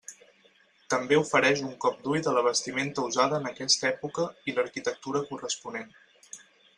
També ofereix un cop d'ull de la vestimenta usada en aquesta època i l'arquitectura corresponent.